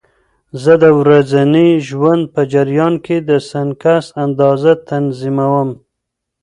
زه د ورځني ژوند په جریان کې د سنکس اندازه تنظیموم.